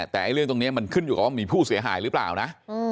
แต่เรื่องตรงนี้มันขึ้นอยู่กับว่ามีผู้เสียหายหรือเปล่านะ